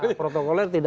iya protokoler tidak ada